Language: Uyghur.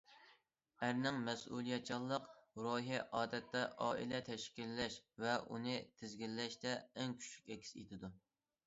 ئەرنىڭ مەسئۇلىيەتچانلىق روھى ئادەتتە ئائىلە تەشكىللەش ۋە ئۇنى تىزگىنلەشتە ئەڭ كۈچلۈك ئەكس ئېتىدۇ.